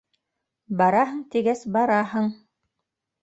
Бараһың тигәс бараһың.